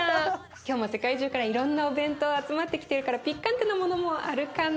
今日も世界中からいろんなお弁当集まってきてるからピッカンテなものもあるかな？